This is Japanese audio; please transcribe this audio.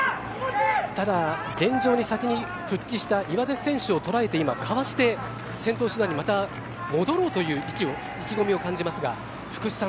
ただ、現状に先に復帰した岩出選手をとらえてかわして先頭集団にまた戻ろうという意気込みを感じますが、福士さん